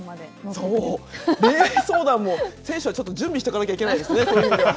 恋愛相談も、選手はちょっと準備しておかなければいけないですね。